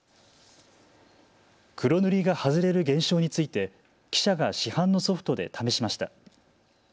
黒塗りが外れる現象について記者が市販のソフトで試しました。